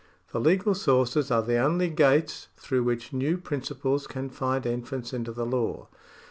The legal sources are the only gates through which new principles can find entrance into the law.